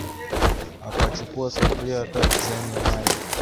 Akachukua sufuria tatu zenye maji.